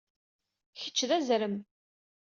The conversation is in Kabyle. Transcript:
Kečč d azrem!